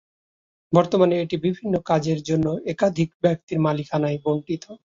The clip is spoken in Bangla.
বর্তমানে এটি বিভিন্ন কাজের জন্য একাধিক ব্যক্তির মালিকানায় বণ্টিত।